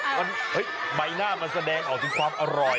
มันเฮ้ยใบหน้ามันแสดงออกถึงความอร่อย